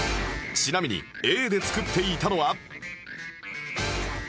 ちなみに Ａ で作っていたのは